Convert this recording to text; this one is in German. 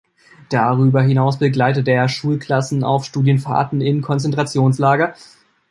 Darüber hinaus begleitete er Schulklassen auf Studienfahrten in Konzentrationslager.